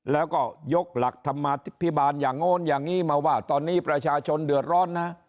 แล้วก็ยกหลักธรรมาธิพิบาลอย่างโน้นอย่างนี้มาว่าตอนนี้ประชาชนเดือดร้อนนะ